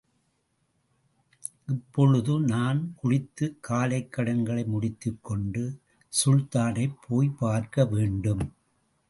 இப்பொழுது, நான் குளித்துக் காலைக்கடன்களை முடித்துக் கொண்டு சுல்தானைப் போய் பார்க்க வேண்டும்.